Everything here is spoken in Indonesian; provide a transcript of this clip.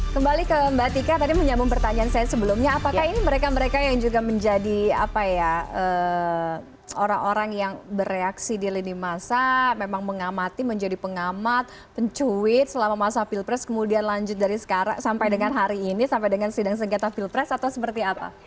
kembali ke mbak tika tadi menyambung pertanyaan saya sebelumnya apakah ini mereka mereka yang juga menjadi apa ya orang orang yang bereaksi di lini masa memang mengamati menjadi pengamat pencuit selama masa pilpres kemudian lanjut dari sekarang sampai dengan hari ini sampai dengan sidang sengketa pilpres atau seperti apa